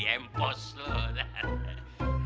diempos lu dah